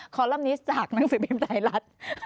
คอลัมป์นิสจากหนังสือพิมพ์ไทยรัฐ